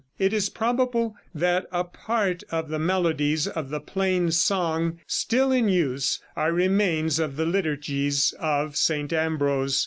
It is probable that a part of the melodies of the Plain Song still in use are remains of the liturgies of St. Ambrose.